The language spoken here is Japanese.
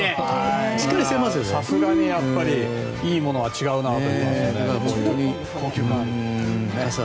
さすがにいいものは違うなと。